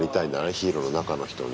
ヒーローの中の人に。